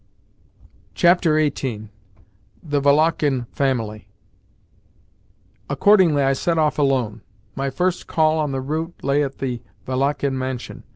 XVIII. THE VALAKHIN FAMILY Accordingly I set off alone. My first call on the route lay at the Valakhin mansion.